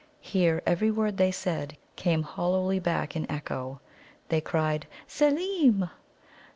Here every word they said came hollowly back in echo. They cried, "Seelem!"